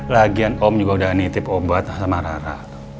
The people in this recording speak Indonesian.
lagian om juga udah nitip obat sama rara